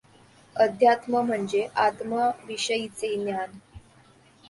अध्यात्म म्हणजे आत्म्याविषयीचे ज्ञान.